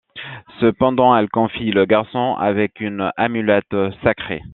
Cependant, elle confie le garçon avec une amulette sacrée.